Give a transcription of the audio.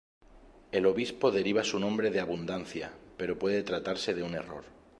El obispo deriva su nombre de abundancia, pero puede tratarse de un error.